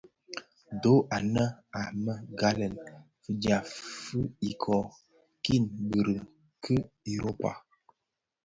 Dho anë a më ghalèn, fidyab fi ikōō, kiň biriň ki Europa.